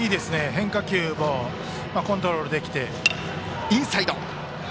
変化球もコントロールできていて。